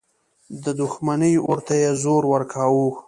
د دښمني اور ته یې زور ورکاوه.